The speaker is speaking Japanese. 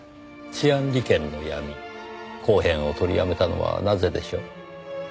「治安利権の闇後編」を取りやめたのはなぜでしょう？